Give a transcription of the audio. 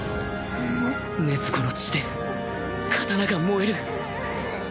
禰豆子の血で刀が燃える